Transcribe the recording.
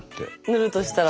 塗るとしたら。